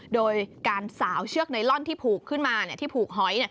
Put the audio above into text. โดยการสาวเชือกไนลอนที่ผูกขึ้นมาที่ผูกหอย